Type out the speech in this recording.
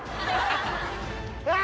うわ！